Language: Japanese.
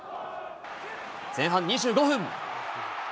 前半２５分。